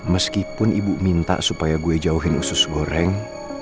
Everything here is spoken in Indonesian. meskipun ibu minta supaya gue jauhin usus goreng